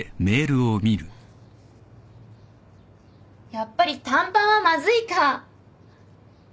やっぱり短パンはまずいか。